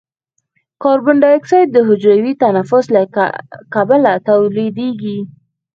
کاربن ډای اکساید د حجروي تنفس له کبله تولیدیږي.